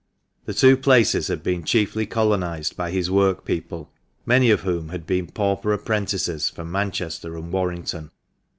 The two places had been chiefly colonised by his workpeople, many of whom had been pauper apprentices from Manchester and Warrington.